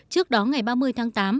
trước đó ngày ba mươi tháng tám